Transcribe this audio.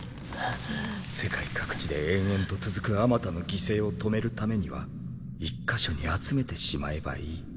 世界各地で延々と続くあまたの犠牲を止めるためには１か所に集めてしまえばいい。